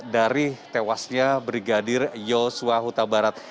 dari tewasnya brigadir yosua huta barat